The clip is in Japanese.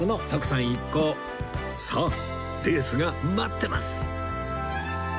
さあレースが待ってます！